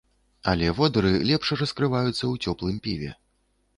Але водары лепш раскрываюцца ў цёплым піве.